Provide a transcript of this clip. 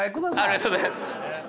ありがとうございます。